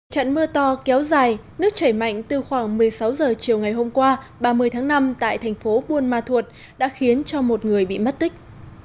trận mưa to kéo dài nước chảy mạnh từ khoảng một mươi sáu h chiều ngày hôm qua ba mươi tháng năm tại thành phố buôn ma thuột đã khiến cho một người bị mất tích